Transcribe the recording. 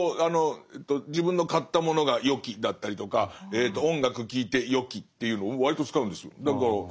自分の買ったものが「よき」だったりとか音楽聴いて「よき」っていうの割と使うんですよ。